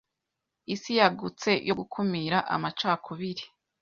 Isi yagutse yo gukumira amacakubiri